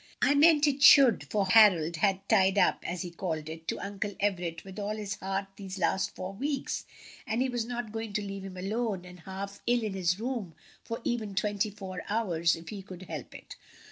"I meant it should," for Harold had "tied up," as he called it, to Uncle Everett with all his heart these last four weeks, and he was not going to leave him alone and half ill in his room for even twenty four hours, if he could help it.